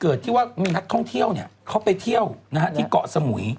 เกตเกิดที่ว่ามีนักท่องเที่ยวเนี่ยเขาไปเที่ยวนะฮะที่เกาะสมุย